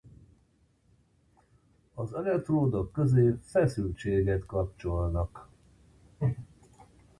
Az elektródok közé feszültséget kapcsolnak.